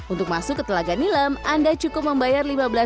untuk masuk ke telaga nilem anda cukup membayar lima belas rupiah per orang